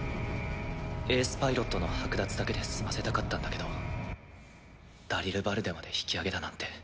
エースパイロットの奪だけで済ませたかったんだけどダリルバルデまで引き揚げだなんて。